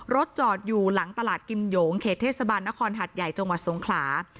จอดอยู่หลังตลาดกิมหยงเขตเทศบาลนครหัดใหญ่จังหวัดสงขลา